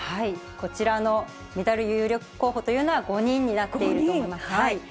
こちらのメダル有力候補というのは、５人になっていると思います。